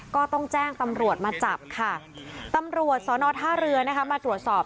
ก็ต้องแจ้งตำรวจมาจับค่ะตำรวจสอนอท่าเรือนะคะมาตรวจสอบ